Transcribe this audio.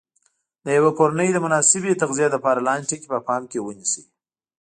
د یوې کورنۍ د مناسبې تغذیې لپاره لاندې ټکي په پام کې ونیسئ.